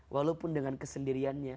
walaupun dengan kesendiriannya